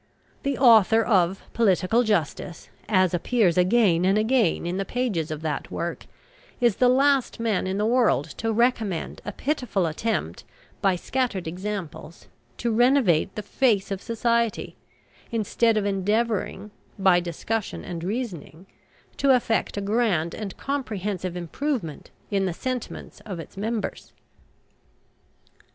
The author of "Political Justice," as appears again and again in the pages of that work, is the last man in the world to recommend a pitiful attempt, by scattered examples, to renovate the face of society, instead of endeavouring, by discussion and reasoning, to effect a grand and comprehensive improvement in the sentiments of its members.